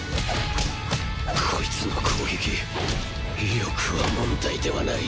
コイツの攻撃威力は問題ではない。